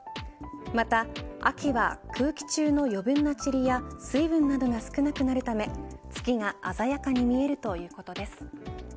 また、秋は空気中の余分なちりや水分などが少なくなるため月が鮮やかに見えるということです。